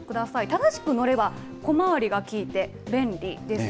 正しく乗れば小回りが利いて便利です。